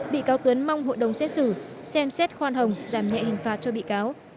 bị cáo tuấn mong hội đồng xét xử xem xét khoan hồng giảm nhẹ hình phạt cho bị cáo